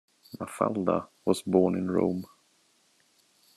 Mafalda was born in Rome.